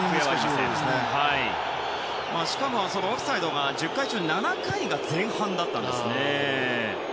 しかも、オフサイドが１０回中７回が前半でした。